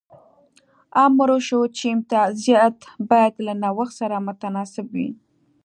امر وشو چې امتیازات باید له نوښت سره متناسب وي.